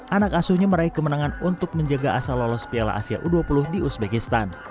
anak asuhnya meraih kemenangan untuk menjaga asal lolos piala asia u dua puluh di uzbekistan